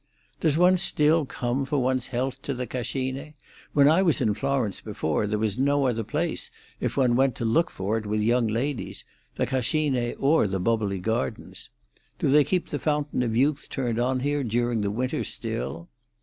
"Does one still come for one's health to the Cascine? When I was in Florence before, there was no other place if one went to look for it with young ladies—the Cascine or the Boboli Gardens. Do they keep the fountain of youth turned on here during the winter still?"